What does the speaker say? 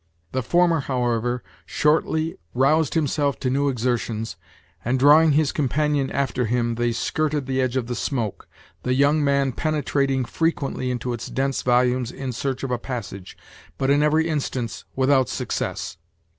The former, however, shortly roused himself to new exertions, and, drawing his companion after him, they skirted the edge of the smoke, the young man penetrating frequently into its dense volumes in search of a passage, but in every instance without success.